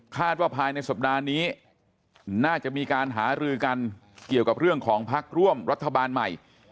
ว่าภายในสัปดาห์นี้น่าจะมีการหารือกันเกี่ยวกับเรื่องของพักร่วมรัฐบาลใหม่